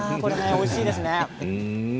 おいしいですね。